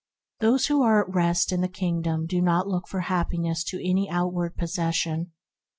Those who are at rest in the Kingdom do not look for happiness to any outward possessions.